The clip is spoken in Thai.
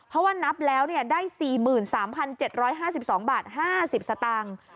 เพราะว่านับแล้วได้๔๓๗๕๒บาท๕๐สตางค์